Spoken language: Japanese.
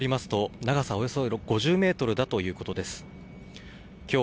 警察によりますと長さおよそ５０メートルだということです。